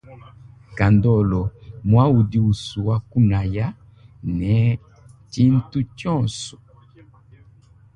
Kandolo mwa udi muswa kunaya ne tshintu tshionso.